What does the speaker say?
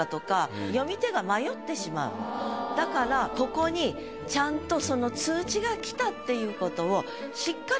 だからここにちゃんとその。